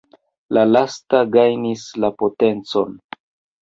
La lasta gajnis la potencon.